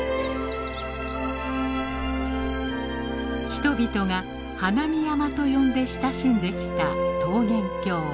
人々が花見山と呼んで親しんできた桃源郷